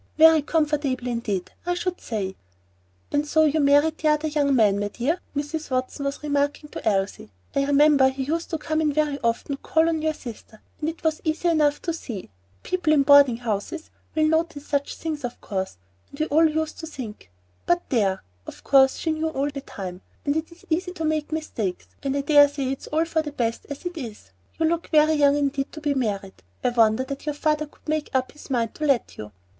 "Very comfortable indeed, I should say." "And so you married the other young man, my dear?" Mrs. Watson was remarking to Elsie. "I remember he used to come in very often to call on your sister, and it was easy enough to see, people in boarding houses will notice such things of course, and we all used to think But there of course she knew all the time, and it is easy to make mistakes, and I dare say it's all for the best as it is. You look very young indeed to be married. I wonder that your father could make up his mind to let you."